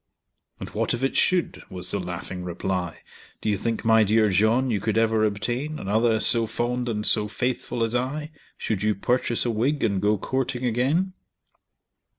"And what if it should?" was the laughing reply; "Do you think, my dear John, you could ever obtain Another so fond and so faithful as I, Should you purchase a wig, and go courting again?"